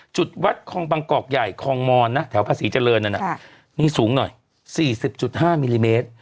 จุดวัดคลองบางกอกใหญ่คลองมอนนะแถวภาษีเจริญนั้นนี่สูงหน่อย๔๐๕มิลลิเมตร